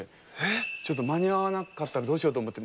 ちょっと間に合わなかったらどうしようと思って。